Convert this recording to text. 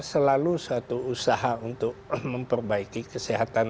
selalu suatu usaha untuk memperbaiki kesehatan